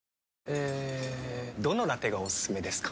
えどのラテがおすすめですか？